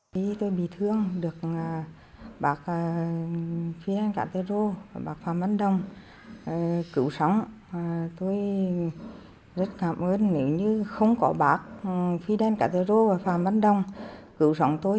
rất cảm ơn nếu như không có bác fidel castro và phạm văn đồng cứu sống tôi